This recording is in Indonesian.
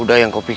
untuk setiap bila